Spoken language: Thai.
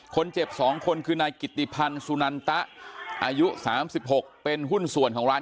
คนเจ็บ๒คนคือนายกิติพันธ์สุนันตะอายุ๓๖เป็นหุ้นส่วนของร้าน